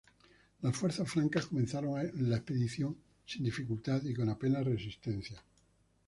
Las fuerzas francas comenzaron la expedición sin dificultad y con apenas resistencia.